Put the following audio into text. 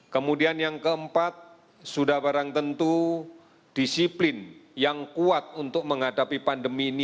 kemudian yang keempat sudah barang tentu disiplin yang kuat untuk menghadapi pandemi ini